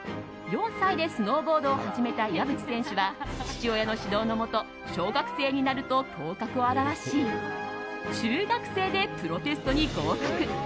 ４歳でスノーボードを始めた岩渕選手は父親の指導のもと小学生になると頭角を現し中学生でプロテストに合格。